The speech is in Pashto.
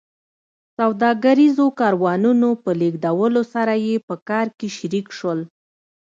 سوداګریزو کاروانونو په لېږدولو سره یې په کار کې شریک شول